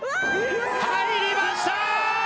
入りました！